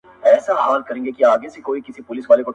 نه يوه ورځ پاچهي سي اوږدېدلاى.!